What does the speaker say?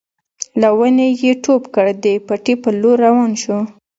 له ونې يې ټوپ کړ د پټي په لور روان شو.